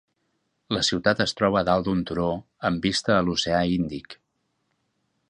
La ciutat es troba a dalt d'un turó amb vista a l'oceà Índic.